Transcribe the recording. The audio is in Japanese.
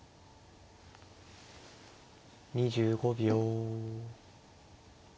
２５秒。